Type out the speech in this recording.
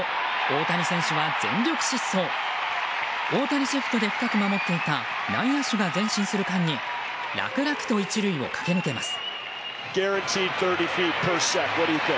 大谷シフトで深く守っていた内野手が前進する間に楽々と１塁を駆け抜けます。